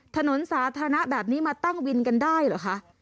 ถนนสาธารณะแบบนี้มาตั้งวินกันได้เหรอคะ